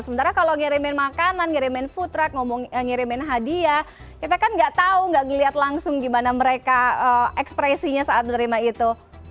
sementara kalau ngirimin makanan ngirimin futra ngirimin hadiah kita kan gak tau gak ngeliat langsung gimana mereka ekspresinya saat menerima itu